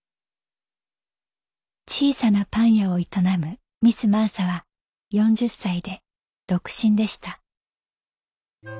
「小さなパン屋を営むミス・マーサは４０歳で独身でした」。